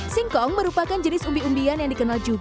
singkong merupakan jenis umbi umbian yang dikenaljukan